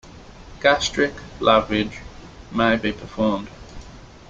Gastric lavage may be performed.